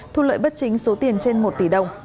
thu lợi bất chính số tiền trên một tỷ đồng